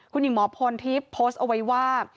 คุณหญิงหมอพลทิพย์โพสต์เอาไว้ว่า